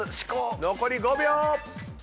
残り５秒！